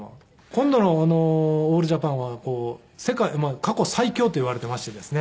今度のオールジャパンは過去最強といわれていましてですね。